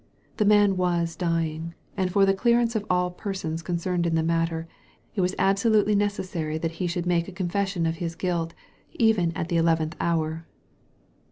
The man was dying; and for the clearance of all persons concerned in the matter, it was absolutely necessary that he should make a confession of his guilt, even at the eleventh hour.